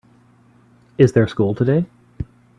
Is there school today?